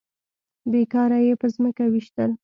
بې کاره يې په ځمکه ويشتل.